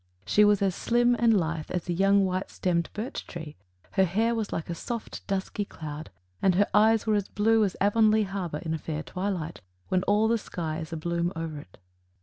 "She was as slim and lithe as a young white stemmed birch tree; her hair was like a soft dusky cloud, and her eyes were as blue as Avonlea Harbor in a fair twilight, when all the sky is a bloom over it."